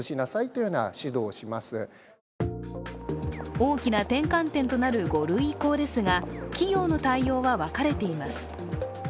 大きな転換点となる５類移行ですが、企業の対応は分かれています。